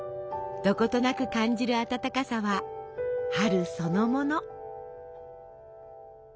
どことなく感じる暖かさは春そのもの。